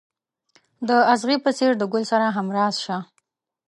د اغزي په څېر د ګل سره همراز شه.